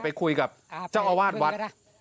ไปคุยกับเจ้าอาวาสวัด